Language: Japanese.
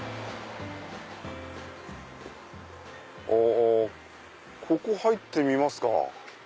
あここ入ってみますか。